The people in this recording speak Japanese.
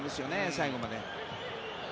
最後まで。